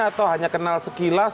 atau hanya kenal sekilas